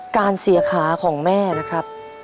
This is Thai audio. การเสียขาของแม่นะครับ